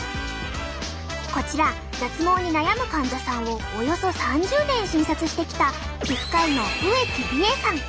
こちら脱毛に悩む患者さんをおよそ３０年診察してきた皮膚科医の植木理恵さん。